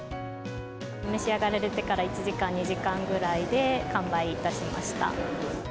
召し上がられてから、１時間、２時間ぐらいで完売いたしました。